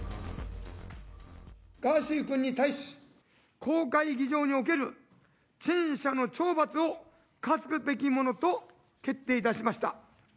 ガーシー君に対し、公開議場における陳謝の懲罰を科すべきものと決定いたしました。